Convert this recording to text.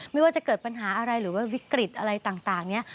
ไม่ว่าจะเกิดปัญหาอะไรหรือว่าวิกฤตอะไรต่างเนี่ย